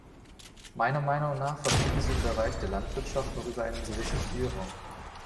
Meiner Meinung nach verfügen Sie im Bereich der Landwirtschaft noch über einen gewissen Spielraum.